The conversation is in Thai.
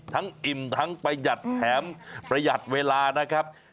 อิ่มทั้งประหยัดแถมประหยัดเวลานะครับ